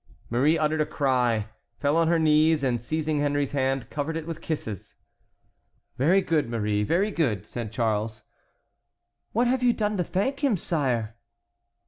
Marie uttered a cry, fell on her knees, and seizing Henry's hand covered it with kisses. "Very good, Marie, very good," said Charles. "What have you done to thank him, sire?"